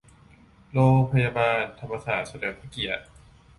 โรงพยาบาลธรรมศาสตร์เฉลิมพระเกียรติ